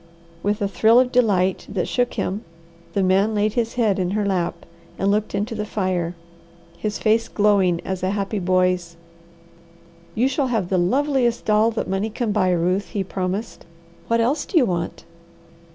With a thrill of delight that shook him, the man laid his head in her lap and looked into the fire, his face glowing as a happy boy's. "You shall have the loveliest doll that money can buy, Ruth," he promised. "What else do you want?"